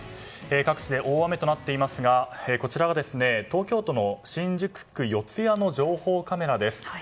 各地で大雨となっていますがこちらは、東京都の新宿区四谷の情報カメラです。